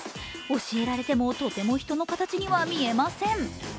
教えられてもとても人の形には見えません。